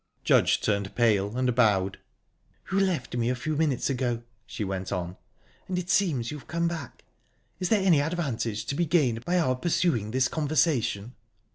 Judge turned pale, and bowed. "You left me a few minutes ago," she went on, "and it seems you've come back. Is there any advantage to be gained by our pursuing this conversation?"